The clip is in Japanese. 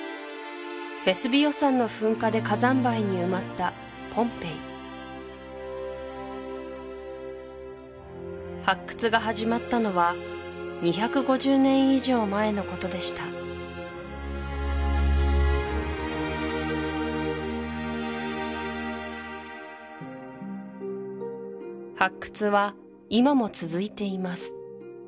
ヴェスヴィオ山の噴火で火山灰に埋まったポンペイ発掘が始まったのは２５０年以上前のことでした発掘は今も続いています